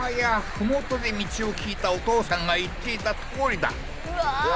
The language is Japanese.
麓で道を聞いたお父さんが言っていたとおりだうわーうわ